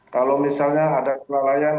kalau misalnya ada kelalaian